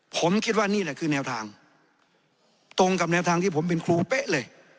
ผมคิดว่านี่แหละคือแนวทางตรงกับแนวทางที่ผมเป็นครูเป๊ะเลย